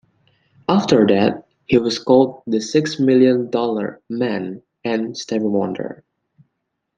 After that, he was called "The Six Million Dollar Man" and "Stevie Wonder.